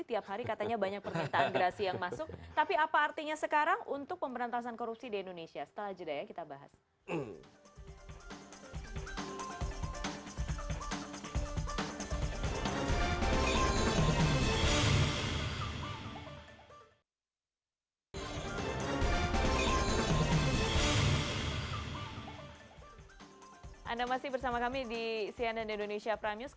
tiap hari katanya banyak permintaan gerasi yang masuk